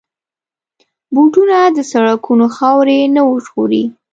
بوټونه د سړکونو خاورې نه ژغوري.